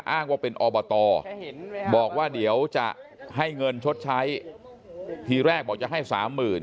อ้างว่าเป็นอบตบอกว่าเดี๋ยวจะให้เงินชดใช้ทีแรกบอกจะให้สามหมื่น